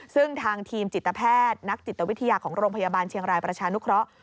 ซึ่งทางทีมจิตแพทย์นักจิตวิทยาของโรงพยาบาลเชียงรายประชานุเคราะห์